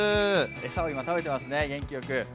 餌を今、食べていますね、元気よく。